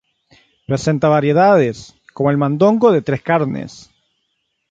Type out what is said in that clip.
Presenta variedades, como el mondongo de tres carnes.